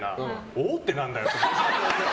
おおってなんだよって。